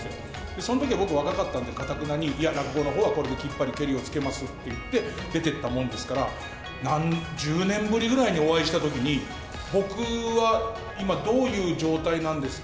そのとき、僕は若かったんで、かたくなに、いや、落語のほうはこれできっぱりけりをつけますっていって出ていったものですから、１０年ぶりぐらいにお会いしたときに、僕は今どういう状態なんですか？